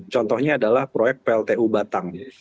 contohnya adalah proyek pltu batang